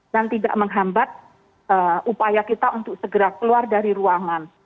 dan tidak menghambat upaya kita untuk segera keluar dari ruangan